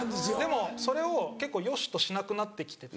でもそれを結構よしとしなくなってきてて。